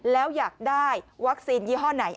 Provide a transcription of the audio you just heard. แล้วอยากได้วัคซีนยี่ห้อไหน